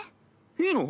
いいの？